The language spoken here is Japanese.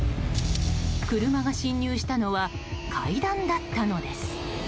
車が進入したのは階段だったのです。